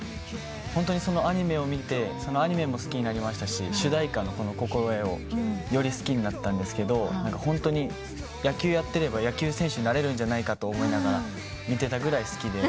ホントにそのアニメを見てアニメも好きになりましたし主題歌の『心絵』をより好きになったんですがホントに野球やってれば野球選手になれるんじゃないかと思いながら見てたぐらい好きで。